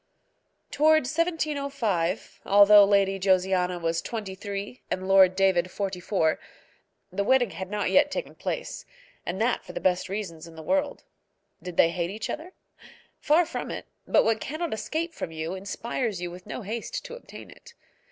Towards 1705, although Lady Josiana was twenty three and Lord David forty four, the wedding had not yet taken place, and that for the best reasons in the world. Did they hate each other? Far from it; but what cannot escape from you inspires you with no haste to obtain it.